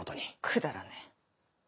くだらねえ。